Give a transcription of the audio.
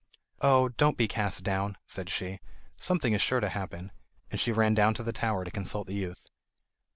"Oh, don't be cast down," said she, "something is sure to happen"; and she ran down to the tower to consult the youth.